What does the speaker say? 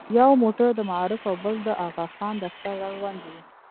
یو موټر د معارف او بل د اغاخان دفتر اړوند و.